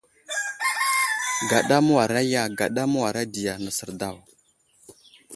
Gaɗa mə́wara ya, gaɗa mə́wara ɗiya nəsər daw.